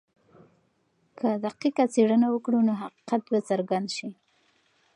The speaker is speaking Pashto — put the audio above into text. که دقیقه څېړنه وکړو نو حقیقت به څرګند سي.